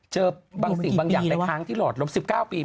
เจอบางสิ่งบางอย่างไปค้างที่หลอดลม๑๙ปี